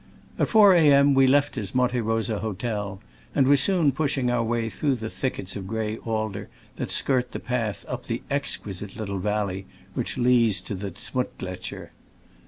At four A. M. we left his Monte Rosa hotel, and were soon pushing our way through the thickets of gray alder that skirt the path up the exquisite little val ley which leads to the Z'muttgletscher.